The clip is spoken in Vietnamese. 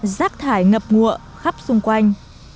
rác thải ngập ngụa khắp xung quanh